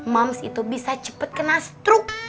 moms itu bisa cepet kena struk